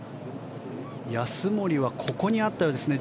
安森はここにあったようですね